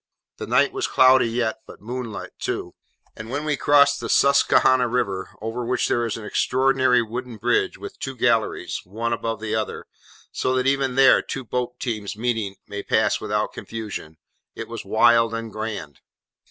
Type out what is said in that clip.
The night was cloudy yet, but moonlight too: and when we crossed the Susquehanna river—over which there is an extraordinary wooden bridge with two galleries, one above the other, so that even there, two boat teams meeting, may pass without confusion—it was wild and grand.